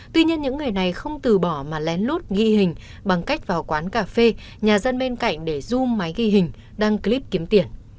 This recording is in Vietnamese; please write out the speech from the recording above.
tuy nhiên những người này không từ bỏ mà lén lút ghi hình bằng cách vào quán cà phê nhà dân bên cạnh để du máy ghi hình đăng clip kiếm tiền